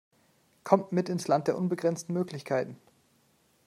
Kommt mit ins Land der unbegrenzten Möglichkeiten!